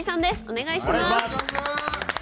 お願いします。